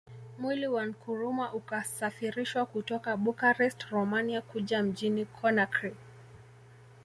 Mwili wa Nkrumah ukasafirishwa kutoka Bucharest Romania Kuja mjini Conakry